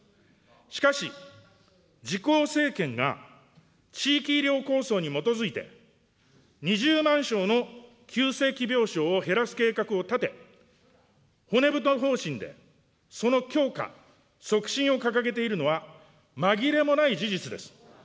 しかし、自公政権が地域医療構想に基づいて、２０満床の急性期病床を減らす計画を立て、骨太方針でその強化、促進を掲げているのは、まぎれもない事実です。